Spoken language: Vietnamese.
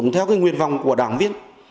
theo cái nguyên vọng của đảng viên